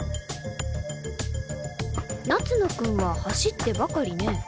夏野君は走ってばかりね。